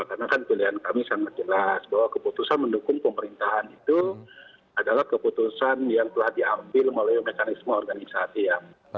karena kan pilihan kami sangat jelas bahwa keputusan mendukung pemerintahan itu adalah keputusan yang telah diambil melalui mekanisme organisasi ya